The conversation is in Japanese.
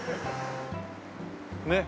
ねっ。